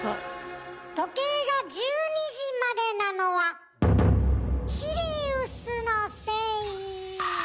時計が１２時までなのはシリウスのせい。